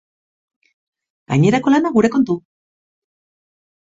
Gainerako lana, gure kontu!